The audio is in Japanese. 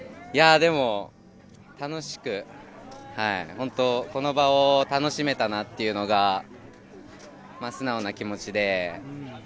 でも楽しく、この場を楽しめたなっていうのが、素直な気持ちで。